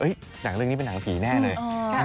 หนังเรื่องนี้เป็นหนังผีแน่เลย